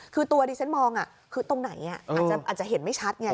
คือตัวที่ฉันมองอ่ะคือตรงไหนเนี้ยอ่าอาจจะเห็นไม่ชัดไง